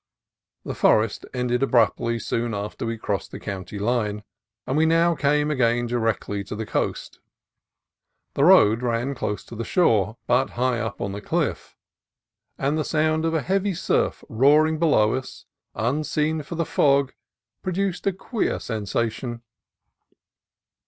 The forest ended abruptly soon after we crossed the county line, and we now came again directly to the coast. The road ran close to the shore, but high up on the cliff, and the sound of a heavy surf roaring below us, unseen for the fog, produced a queer sen sation.